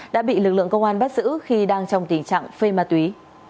đã bị lực lượng công an bắt giữ khi đang trong tình trạng phê ma túy